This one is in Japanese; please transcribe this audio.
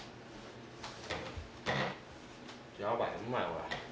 やばいうまいわ。